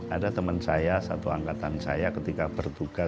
ada teman saya satu angkatan saya ketika bertugas